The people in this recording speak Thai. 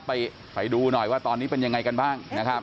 ไปดูหน่อยว่าตอนนี้เป็นยังไงกันบ้างนะครับ